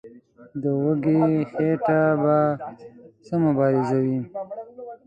د وږي خېټې به څه مبارزه وي.